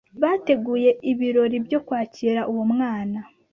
Bateguye ibirori byo kwakira uwo mwana